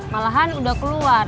malahan udah keluar